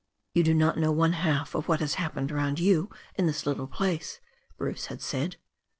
"You do not know one half of what has happened round you in this little place," Bruce had said.